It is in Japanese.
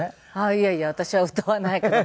いやいや私は歌わないから。